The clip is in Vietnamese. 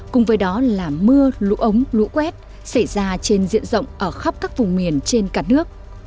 cùng với đó là mưa lũ ống lũ quét xảy ra trên diện rộng ở khắp các vùng miền trên cả nước